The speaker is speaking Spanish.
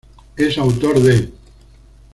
Es autor de